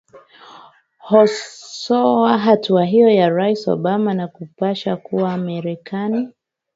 osoa hatua hiyo ya rais obama na kupasha kuwa marekani